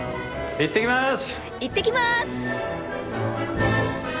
いってきます！